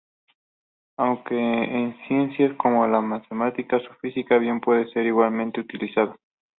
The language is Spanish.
Aunque en ciencias como la matemática, o física bien puede ser igualmente utilizado.